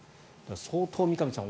相当、三上さん